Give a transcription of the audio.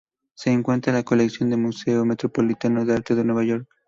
Se encuentra en la colección del Museo Metropolitano de Arte de Nueva York.